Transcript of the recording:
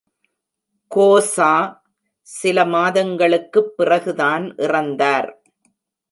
கோசா சில மாதங்களுக்குப் பிறகுதான் இறந்தார்.